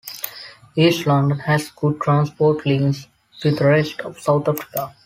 East London has good transport links with the rest of South Africa.